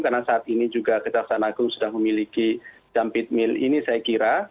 karena saat ini juga kejaksaan agung sudah memiliki jampit mil ini saya kira